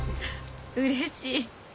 うれしい。